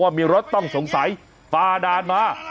ว่ามีรถต้องสงสัยฝ่าด่านมา